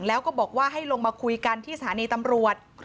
แล้วก็บอกว่าให้ลงมาคุยกันที่สถานีตำรวจ